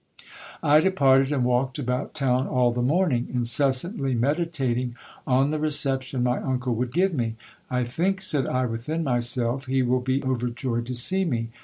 I departed, and walked about town all the morning, incessantly meditating on the reception my uncle would give me. I think, said I within myself, he will be overjoyed to see me.